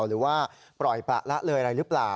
หรือว่าปล่อยประละเลยอะไรหรือเปล่า